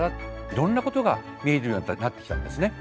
いろんなことが見えるようになってきたんですね。